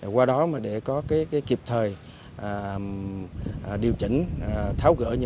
qua đó để có kịp thời điều chỉnh